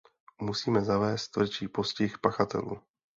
Musíme zavést tvrdší postih pachatelů.